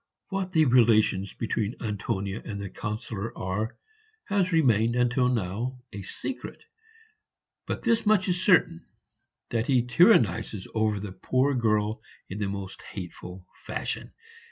What the relations between Antonia and the Councillor are has remained until now a secret, but this much is certain, that he tyrannizes over the poor girl in the most hateful fashion.